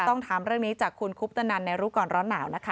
ต้องถามเรื่องนี้จากคุณคุปตนันในรู้ก่อนร้อนหนาวนะคะ